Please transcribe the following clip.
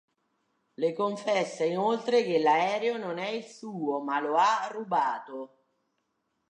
Le confessa inoltre che l'aereo non è il suo, ma lo ha rubato.